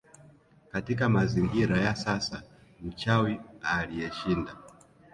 Katika mazingira ya sasa mchawi aliyeshind